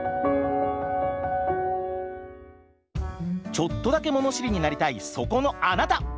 ちょっとだけ物知りになりたいそこのあなた！